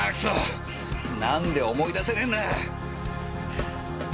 何で思い出せねえんだ！